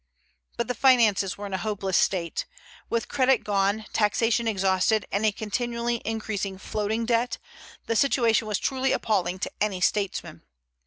But the finances were in a hopeless state. With credit gone, taxation exhausted, and a continually increasing floating debt, the situation was truly appalling to any statesman.